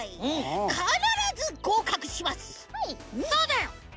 そうだよ！